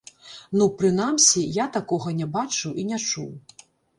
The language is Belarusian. Ну, прынамсі, я такога не бачыў і не чуў.